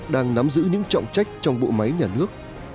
đang nắm giữ những trọng trách trong bộ máy nhà nước